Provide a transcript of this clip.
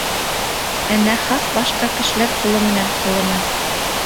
Ә нахаҡ башҡа кешеләр ҡулы менән ҡылына.